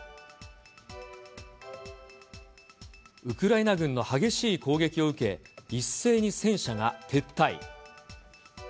ウクライナ軍の激しい攻撃を受け、一斉に戦車が撤退。